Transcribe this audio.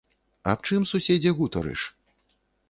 Аб чым, суседзе, гутарыш?